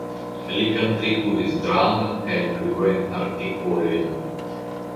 Li kontribuis dramojn kaj plurajn artikolojn.